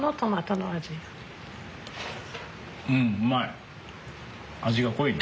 うまい！